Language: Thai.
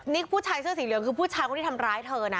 นี่ผู้ชายเสื้อสีเหลืองคือผู้ชายคนที่ทำร้ายเธอนะ